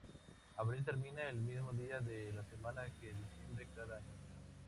Abril termina el mismo día de la semana que diciembre cada año.